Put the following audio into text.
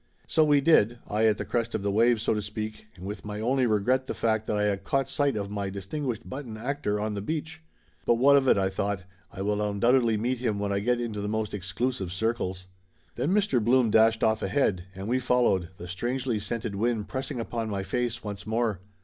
So we did, I at the crest of the wave, so to speak, and with my only regret the fact that I had caught sight of my distinguished button actor on the beach. "But what of it?" I thought. "I will undoubtedly meet him when I get into the most exclusive circles." Then Mr. Blum dashed off ahead, and we followed, the strangely scented wind pressing upon my face once more.